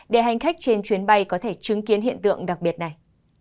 để hành khách trên chuyến bay có thể chứng kiến hiện tượng đặc biệt này